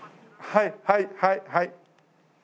はいはいはいはい。